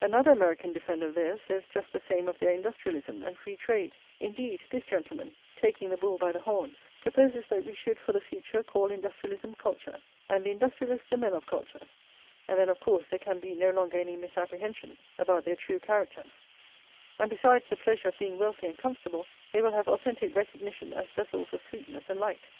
Another American defender of theirs says just the same of their industrialism and free trade; indeed, this gentleman, taking the bull by the horns, proposes that we should for the future call industrialism culture, and the industrialists the men of culture, and then of course there can be no longer any misapprehension about their true character; and besides the pleasure of being wealthy and comfortable, they will have authentic recognition as vessels of sweetness and light.